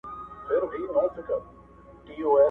خو نیکه یې چې یو خورا مهربانه څوک دی